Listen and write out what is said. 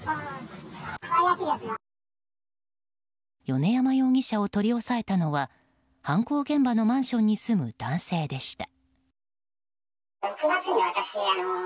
米山容疑者を取り押さえたのは犯行現場のマンションに住む男性でした。